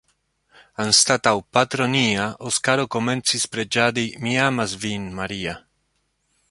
Anstataŭ “Patro nia Oskaro komencis preĝadi Mi amas vin, Maria.